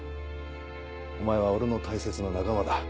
お前は俺の大切な仲間だ。